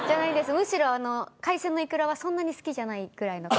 むしろ海鮮のイクラはそんなに好きじゃないくらいの。